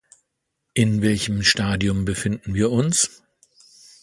In welchem Stadium befinden wir uns?